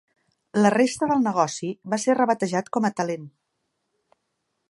La resta del negoci va ser rebatejat com a Telent.